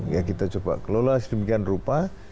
ya kita coba kelola sedemikian rupa